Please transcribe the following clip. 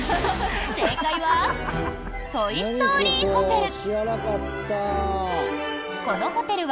正解はトイ・ストーリーホテル。